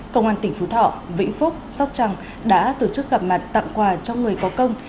công an tỉnh phú thọ vĩnh phúc sóc trăng đã tổ chức gặp mặt tặng quà cho người có công